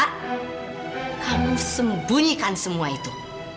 kamu sembunyikan semua itu